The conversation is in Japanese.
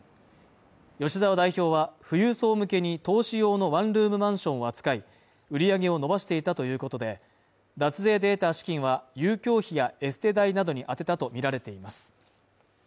吉沢代表は富裕層向けに投資用のワンルームマンションを扱い、売り上げを伸ばしていたということで、脱税で得た資金は遊興費やエステ代などに充てたとみられています。